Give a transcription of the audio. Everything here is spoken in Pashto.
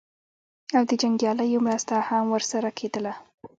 او د جنګیالیو مرسته هم ورسره کېدله.